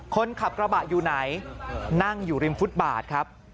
คนขับกระบะอยู่ไหนนั่งอยู่ริมฟุตบาทครับ